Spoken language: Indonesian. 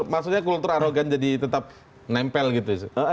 maksudnya kultur arogan jadi tetap nempel gitu